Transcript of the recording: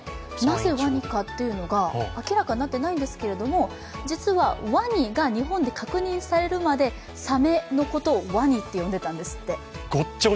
なぜ、わにかというのが明らかになっていないんですけど、実はわにが日本で確認されるまでサメのことをワニって呼んでたんですって。